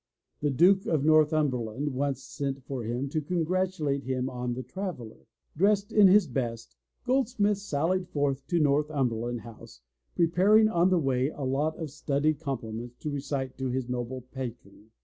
The Duke of Northumberland once sent for him to congratulate him on The Traveller. Dressed in his best. Goldsmith sallied forth to Northumberland House, pre paring on the way a lot of studied compliments to recite to his noble patron.